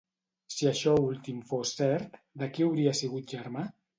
Si això últim fos cert, de qui hauria sigut germà?